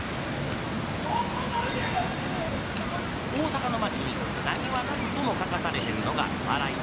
大阪の町に何はなくとも欠かされへんのが笑い。